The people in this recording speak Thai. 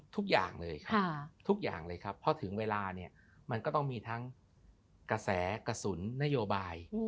ทุกอย่างเลยทุกอย่างเลยครับเพราะถึงเวลาเนี่ยมันก็ต้องมีทั้งกระแสกระสุนนโยบาย